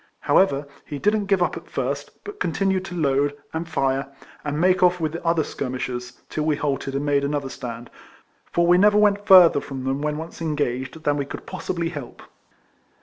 However, he didn't give up at first, but continued to load, and fire, and make off with the other skirmishers, till we halted, and made another stand ; for we never went further from them when once engaged, than we could possibly help.